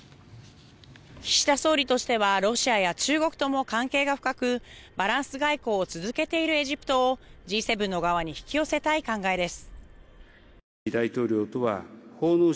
岸田総理としてはロシアや中国とも関係が深くバランス外交を続けているエジプトをＧ７の側に引き寄せたい考えです。